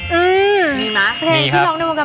พี่อ๋อมไม่ได้ครับ